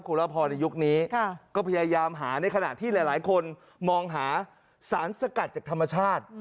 คุณละพรในยุคนี้ก็พยายามหาในขณะที่หลายคนมองหาสารสกัดจากธรรมชาติ